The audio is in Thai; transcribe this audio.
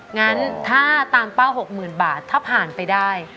งั้นถ้าตามเป้า๖๐๐๐บาทถ้าผ่านไปได้